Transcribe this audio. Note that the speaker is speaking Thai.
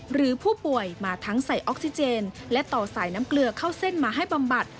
หรือผู้ป่วยมาทั้งใส่ออกซิเจนและต่อสายน้ำเกลือเข้าเส้นมาให้บำบัด